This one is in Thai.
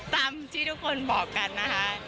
ตามที่ทุกคนบอกกันนะคะ